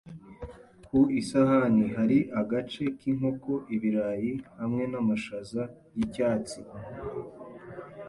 Ku isahani hari agace k'inkoko, ibirayi hamwe n'amashaza y'icyatsi.